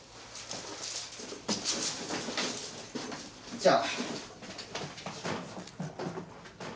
じゃあ！